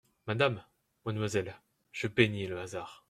Madame !… mademoiselle !… je bénis le hasard…